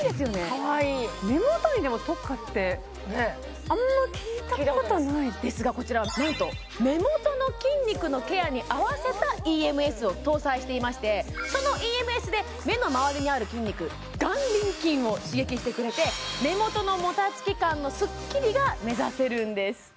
かわいい目元にでも特化ってあんまり聞いたことないですがこちらなんと目元の筋肉のケアに合わせたＥＭＳを搭載していましてそのＥＭＳで目の周りにある筋肉眼輪筋を刺激してくれて目元のもたつき感のスッキリが目指せるんです